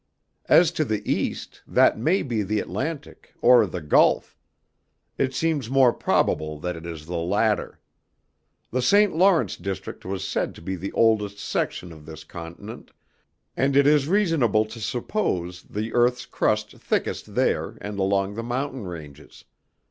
"As to the East, that may be the Atlantic, or the Gulf; it seems more probable that it is the latter. The St. Lawrence district was said to be the oldest section of this continent, and it is reasonable to suppose the earth's crust thickest there, and along the mountain ranges.